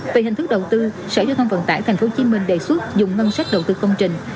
về hình thức đầu tư sở giao thông vận tải tp hcm đề xuất dùng ngân sách đầu tư công trình